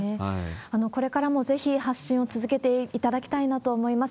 これからもぜひ発信を続けていただきたいなと思います。